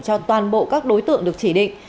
cho toàn bộ các đối tượng được chỉ định